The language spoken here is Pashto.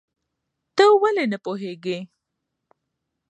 ته ولې نه پوهېږې؟